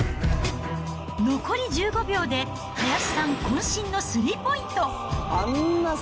残り１５秒で林さんこん身のスリーポイント。